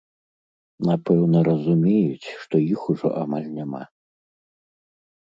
Напэўна, разумеюць, што іх ужо амаль няма.